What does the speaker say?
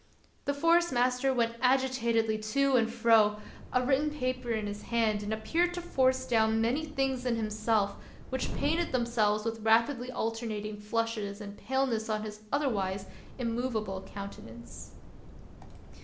The Forest master went agitatedly to and fro, a written paper in his hand, and appeared to force down many things in himself which painted themselves with rapidly alternating flushes and paleness on his otherwise immovable countenance.